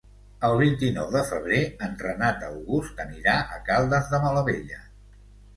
El vint-i-nou de febrer en Renat August anirà a Caldes de Malavella.